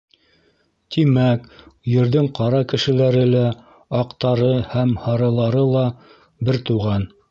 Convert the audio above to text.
Тимәк, Ерҙең ҡара кешеләре лә, аҡтары һәм һарылары ла бер туған.